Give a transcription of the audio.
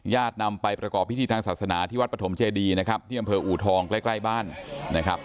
นำไปประกอบพิธีทางศาสนาที่วัดปฐมเจดีนะครับที่อำเภออูทองใกล้ใกล้บ้านนะครับ